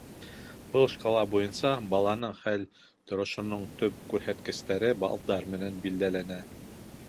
Был шкала буйынса баланың хәл-торошоноң төп күрһәткестәре балдар менән билдәләнә.